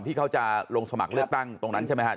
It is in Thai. ที่เขาจะลงสมัครเลือกตั้งตรงนั้นใช่ไหมครับ